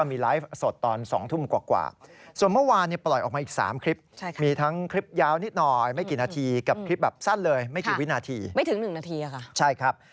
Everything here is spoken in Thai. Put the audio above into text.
ไม่ถึง๑นาทีเหรอคะใช่ครับ